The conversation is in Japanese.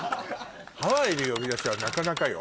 ハワイで呼び出しはなかなかよ。